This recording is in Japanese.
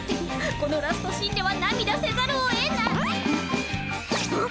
このラストシーンでは涙せざるをえな